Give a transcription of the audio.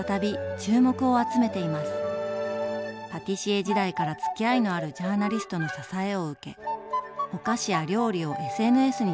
パティシエ時代からつきあいのあるジャーナリストの支えを受けお菓子や料理をＳＮＳに投稿。